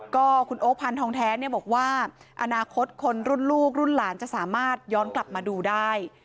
ก็คุณโอ๊คพันธองแท้บอกว่าอนาคตคนรุ่นลูกรุ่นหลานจะสามารถย้อนกลับมาดูได้